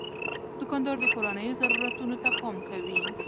دوکاندار د کورنیو ضرورتونو ته پام کوي.